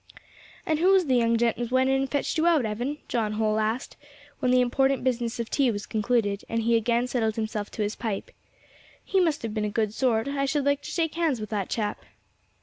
"And who was the young gent as went in and fetched you out, Evan?" John Holl asked, when the important business of tea was concluded, and he again settled himself to his pipe. "He must have been a good sort; I should like to shake hands with that chap."